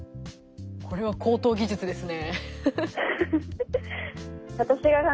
これは高等技術ですね。